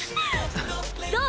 どう？